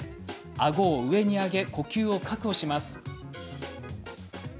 あごを上に上げ呼吸を確保します。